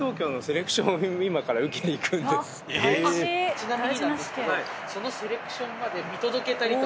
ちなみになんですけど。